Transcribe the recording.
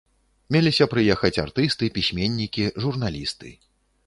Меліся прыехаць артысты, пісьменнікі, журналісты.